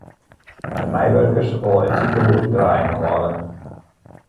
De meiwurkers wolle it sikehús draaiende hâlde.